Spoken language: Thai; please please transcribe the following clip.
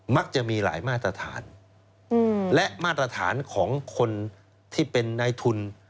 จะมีหลายมาตรฐานและมาตรฐานของคนที่เป็นนายทุน